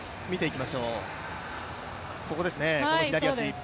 ここですね、この左足。